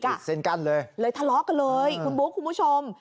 เส้นกั้นเลยเลยทะเลาะกันเลยคุณบุ๊คคุณผู้ชม